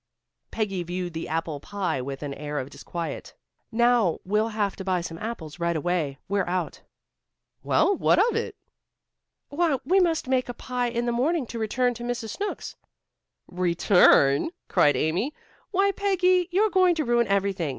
Peggy viewed the apple pie with an air of disquiet. "Now, we'll have to buy some apples, right away. We're out." "Well, what of it?" "Why, we must make a pie in the morning to return to Mrs. Snooks." "Return!" cried Amy. "Why, Peggy, you're going to ruin everything.